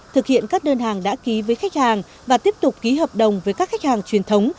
thực hiện các đơn hàng đã ký với khách hàng và tiếp tục ký hợp đồng với các khách hàng truyền thống